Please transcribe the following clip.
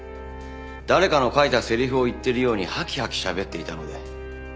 誰かの書いたセリフを言ってるようにハキハキしゃべっていたので。